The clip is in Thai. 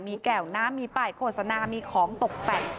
มีแก่วน้ำมีป้ายโฆษณามีของตกแต่ง